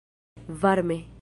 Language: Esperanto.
varme